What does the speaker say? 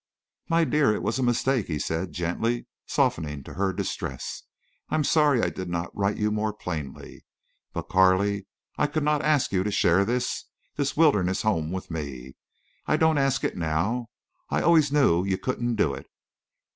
"My dear, it was a mistake," he said, gently, softening to her distress. "I'm sorry I did not write you more plainly. But, Carley, I could not ask you to share this—this wilderness home with me. I don't ask it now. I always knew you couldn't do it.